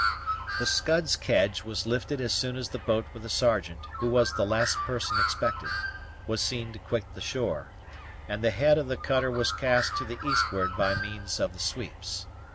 The Scud's kedge was lifted as soon as the boat with the Sergeant, who was the last person expected, was seen to quit the shore, and the head of the cutter was cast to the eastward by means of the sweeps.